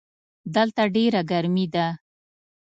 دلته ډېره ګرمي ده.